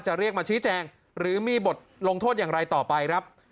เรียกมาชี้แจงหรือมีบทลงโทษอย่างไรต่อไปครับ